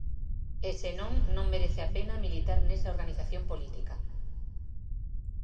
E, se non, non merece a pena militar nesa organización política.